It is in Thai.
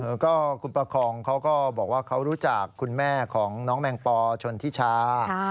เออก็คุณประคองเขาก็บอกว่าเขารู้จักคุณแม่ของน้องแมงปอชนทิชา